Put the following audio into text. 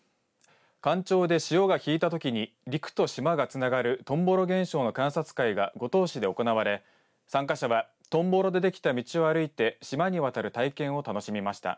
干潮で潮が引いたときに陸と島がつながるトンボロ現象の観察会が五島市で行われ参加者はトンボロでできた道を歩いて島に渡る体験を楽しみました。